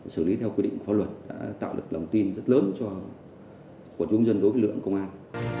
sử lý theo quy định phó luật đã tạo được lòng tin rất lớn của chúng dân đối với lượng công an